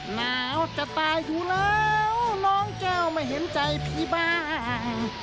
หนาวจะตายอยู่แล้วน้องเจ้าไม่เห็นใจพี่บ้าง